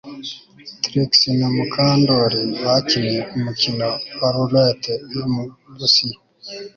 Trix na Mukandoli bakinnye umukino wa roulette yo mu Burusiya